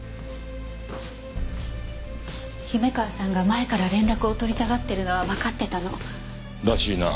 姫川さんが前から連絡を取りたがってるのはわかってたの。らしいな。